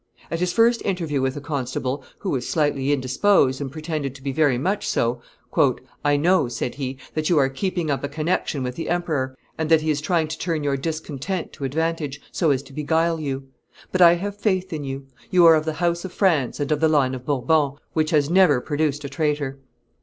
At his first interview with the constable, who was slightly indisposed and pretended to be very much so, "I know," said he, "that you are keeping up a connection with the emperor, and that he is trying to turn your discontent to advantage, so as to beguile you; but I have faith in you; you are of the House of France and of the line of Bourbon, which has never produced a traitor."